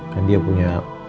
kan dia punya